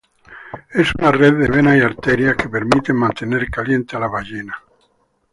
Es una red de venas y arterias que permiten mantener caliente a la ballena.